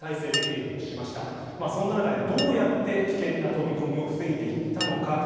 そんな中で、どうやって危険な飛び込みを防いでいったのか。